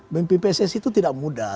mimpi pssi itu tidak mudah